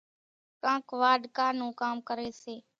ڪانڪ واڍڪا نون ڪام ڪريَ سي۔